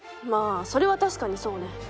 まあそれはたしかにそうね。